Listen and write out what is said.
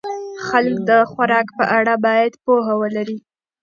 خلک د خوراک په اړه باید پوهه ولري.